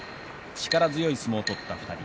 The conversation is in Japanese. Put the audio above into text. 力強い相撲を取った２人。